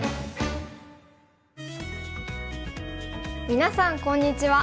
みなさんこんにちは。